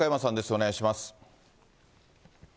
お願いします。